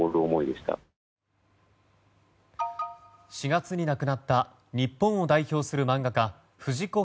４月に亡くなった日本を代表する漫画家藤子